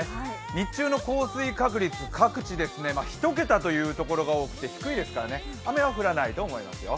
日中の降水確率、各地１桁というところが多くて低いですからね、雨は降らないと思いますよ。